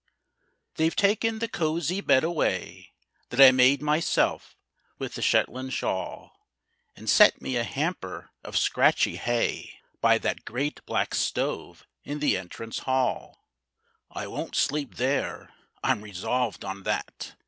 They've taken the cosy bed away That I made myself with the Shetland shawl, And set me a hamper of scratchy hay, By that great black stove in the entrance hall. I won't sleep there; I'm resolved on that!